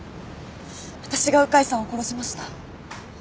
私が鵜飼さんを殺しました。